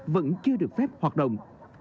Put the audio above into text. vẫn chưa được phép hoạt động